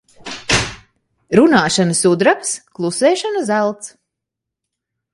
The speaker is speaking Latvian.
Runāšana sudrabs, klusēšana zelts.